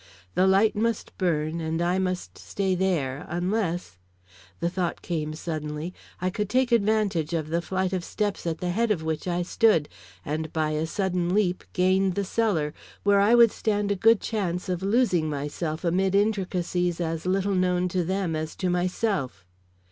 The light must burn and I must stay there, unless the thought came suddenly I could take advantage of the flight of steps at the head of which I stood, and by a sudden leap, gain the cellar, where I would stand a good chance of losing myself amid intricacies as little known to them as to myself.